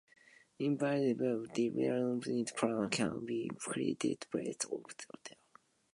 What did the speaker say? Individual development plans can be created based on these assessments.